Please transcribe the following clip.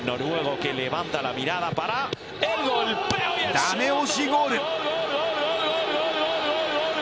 ダメ押しゴール。